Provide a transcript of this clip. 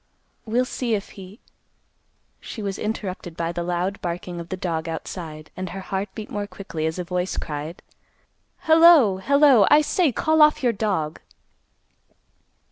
We'll see if he—" She was interrupted by the loud barking of the dog outside, and her heart beat more quickly as a voice cried, "Hello, hello, I say; call off your dog!"